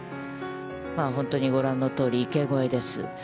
本当にご覧のとおり、池越えです。